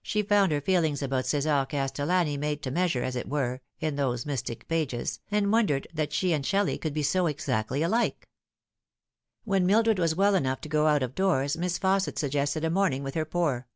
She found her feelings about C4sar Castellani made to measure, as it were, in those mystic pages, and won dered that she and Shelley could be so exactly alike. When Mildred was well enough to go out of doors Miss Fausset suggested a morning with her poor.